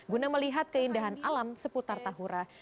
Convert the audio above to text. guna melihat keindahan alam seputar tahura